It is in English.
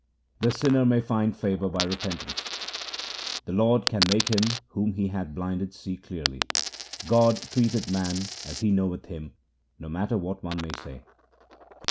The sinner may find favour by repentance :— The Lord can make him whom He hath blinded see clearly ; God treateth man as He knoweth him, no matter what one may say.